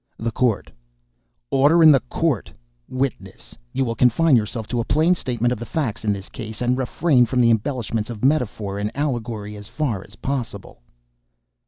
THE COURT. "Order in the court! Witness, you will confine yourself to a plain statement of the facts in this case, and refrain from the embellishments of metaphor and allegory as far as possible."